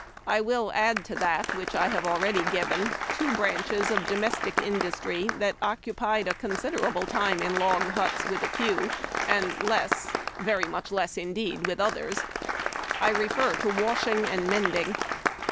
I will add to that which I have already given two branches of domestic industry that occupied a consid erable time in log huts with a few, and less — /f ^~''^ very much less indeed ^'"— with others. I refer to washing and mending.